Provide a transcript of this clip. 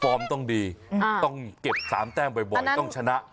ต้องดีต้องเก็บ๓แต้มบ่อยต้องชนะ